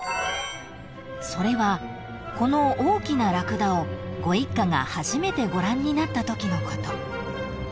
［それはこの大きなラクダをご一家が初めてご覧になったときのこと］